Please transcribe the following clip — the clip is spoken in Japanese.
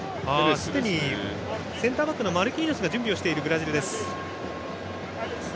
すでにセンターバックのマルキーニョスが準備をしているブラジルです。